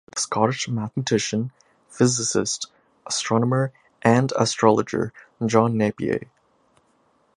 It is named after the Scottish mathematician, physicist, astronomer and astrologer John Napier.